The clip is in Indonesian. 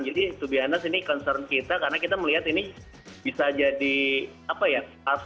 jadi to be honest ini concern kita karena kita melihat ini bisa jadi apa ya